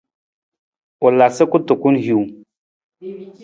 U la sa kutukun hiwung.